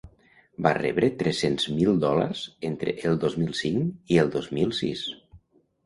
Va rebre tres-cents mil dòlars entre el dos mil cinc i el dos mil sis.